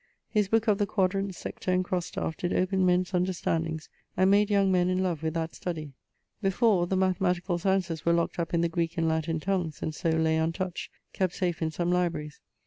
His booke of the quadrant, sector, and crosse staffe did open men's understandings and made young men in love with that studie. Before, the mathematical sciences were lock't up in the Greeke and Latin tongues and so lay untoucht, kept safe in some libraries.